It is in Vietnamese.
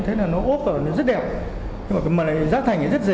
thế là nó ốp vào nó rất đẹp nhưng mà cái mặt này giá thành nó rất rẻ